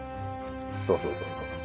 そうそうそうそう。